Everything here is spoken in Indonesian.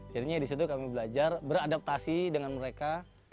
jadinya di situ kami belajar beradaptasi dengan mereka